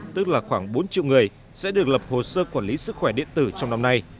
tức là khoảng bốn triệu người sẽ được lập hồ sơ quản lý sức khỏe điện tử trong năm nay